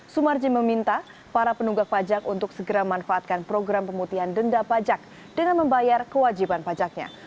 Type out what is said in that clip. sumarji meminta para penunggak pajak untuk segera manfaatkan program pemutihan denda pajak dengan membayar kewajiban pajaknya